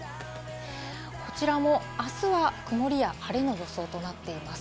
こちらもあすは曇りや晴れの予想となっています。